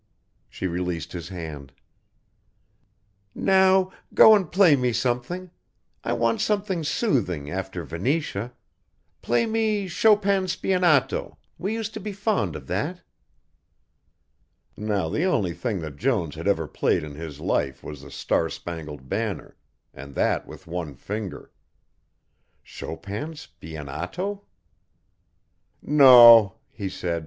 She released his hand. "Now go and play me something. I want something soothing after Venetia play me Chopin's Spianato we used to be fond of that." Now the only thing that Jones had ever played in his life was the Star Spangled Banner and that with one finger Chopin's Spianato! "No," he said.